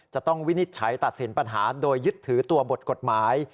วินิจฉัยตัดสินปัญหาโดยยึดถือตัวบทกฎหมาย